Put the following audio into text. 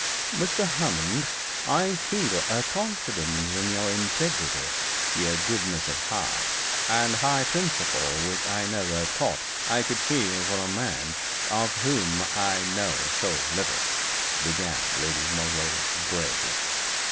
'Mr. Hammond, I feel a confidence in your integrity, your goodness of heart, and high principle which I never thought I could feel for a man of whom I know so little,' began Lady Maulevrier, gravely.